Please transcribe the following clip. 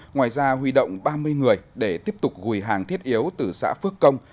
ngoài ra huy động ba mươi người để tiếp tục gùi hàng thiết yếu từ xã phước công